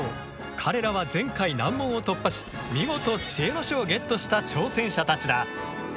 彼らは前回難問を突破し見事知恵の書をゲットした挑戦者たちだ。